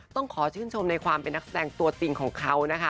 ต้องขอชื่นชมในความเป็นนักแสดงตัวจริงของเขานะคะ